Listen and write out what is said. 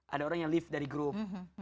ada orang yang lift dari grup